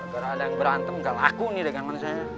karena ada yang berantem gak laku nih dengan manusia